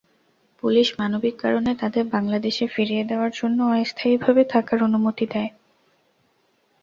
Police মানবিক কারণে তাঁদের বাংলাদেশে ফিরিয়ে দেওয়ার জন্য অস্থায়ীভাবে থাকার অনুমতি দেয়।